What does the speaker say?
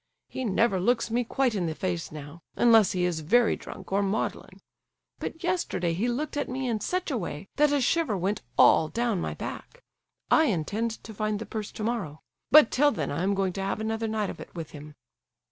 He never looks me quite in the face now, unless he is very drunk or maudlin; but yesterday he looked at me in such a way that a shiver went all down my back. I intend to find the purse tomorrow; but till then I am going to have another night of it with him."